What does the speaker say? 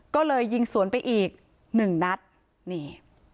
ก็เลยยิงสวนไปอีก๑นัดนี่